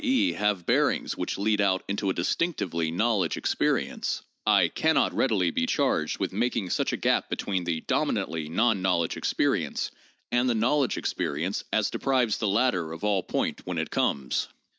e., have bearings which lead out into a distinctively knowledge experi ence, I can not readily be charged with making such a gap between the (dominantly) non knowledge experience and the knowledge ex perience as deprives the latter of all point when it comes.